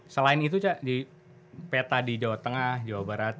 selain itu cak di peta di jawa tengah jawa barat